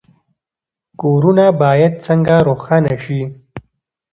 کورونه باید څنګه روښانه شي؟